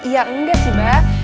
ya enggak sih bah